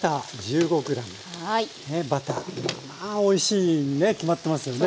バターおいしいにね決まってますよね。